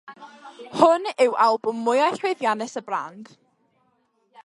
Hwn yw albwm mwyaf llwyddiannus y band.